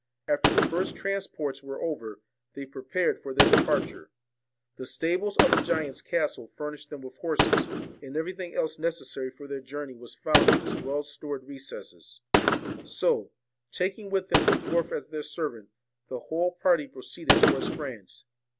After the first transports were over, they prepared for their departure. The stables of the giant's castle furnished them with horses ; and everything else necessary for their journey was found in its well stored recesses. So, taking with them the dwarf as their servant, the whole party proceeded towards France.